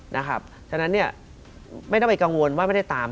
เพราะฉะนั้นไม่ต้องไปกังวลว่าไม่ได้ตาม